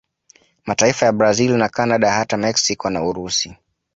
Mataifa ya Brazil na Canada hata Mexico na Urusi